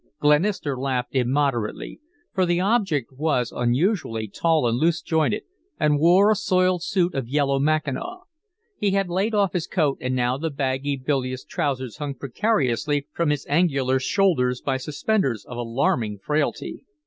Glenister laughed immoderately, for the object was unusually tall and loose jointed, and wore a soiled suit of yellow mackinaw. He had laid off his coat, and now the baggy, bilious trousers hung precariously from his angular shoulders by suspenders of alarming frailty.